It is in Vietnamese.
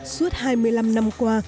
suốt hai mươi năm năm qua